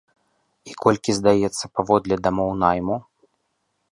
І колькі здаецца паводле дамоў найму?